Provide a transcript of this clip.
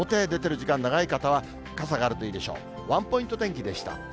表へ出ている時間長い方は傘があるといいでしょう。